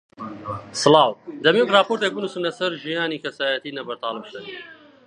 مامۆستا سەعید جەمیلێکی پیرمان لەگەڵ بوو هەر دەیگوت: